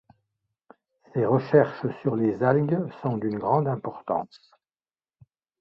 Ses recherches sur les algues sont d’une grande importance.